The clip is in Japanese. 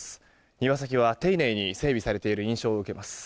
庭先は、丁寧に整備されている印象を受けます。